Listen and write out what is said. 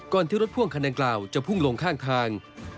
ที่รถพ่วงคันดังกล่าวจะพุ่งลงข้างทาง